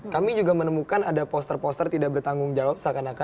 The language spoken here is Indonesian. kami juga menemukan ada poster poster tidak bertanggung jawab